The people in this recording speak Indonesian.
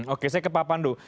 oke saya ke pak pandu